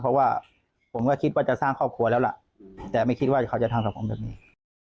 เพราะว่าผมก็คิดว่าจะสร้างครอบครัวแล้วล่ะแต่ไม่คิดว่าเขาจะทำกับผมแบบนี้